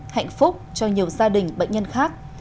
hạnh phúc cho nhiều gia đình bệnh nhân khác